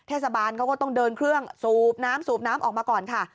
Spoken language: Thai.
เทศบาลเขาก็ต้องเดินเครื่องสูบน้ำสูบน้ำออกมาก่อนค่ะ